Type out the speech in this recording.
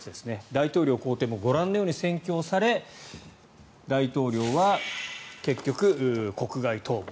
大統領公邸もご覧のように占拠され大統領は結局、国外逃亡。